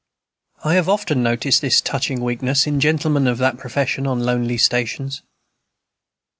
I have often noticed this touching weakness, in gentlemen of that profession, on lonely stations.